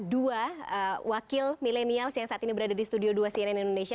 dua wakil milenials yang saat ini berada di studio dua cnn indonesia